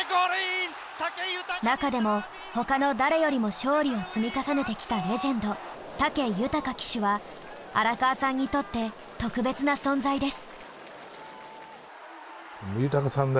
中でも他の誰よりも勝利を積み重ねてきたレジェンド武豊騎手は荒川さんにとって特別な存在です。